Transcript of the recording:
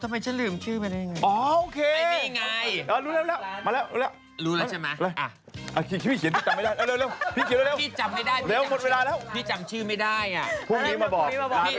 ทำไมฉันลืมชื่อเขาไปได้อย่างไร